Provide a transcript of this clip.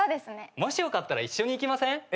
もしよかったら一緒に行きません？